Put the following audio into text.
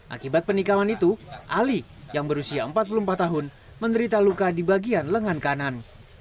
akibat penikaman itu ali yang berusia empat puluh empat tahun menderita luka di bagian lengan kanan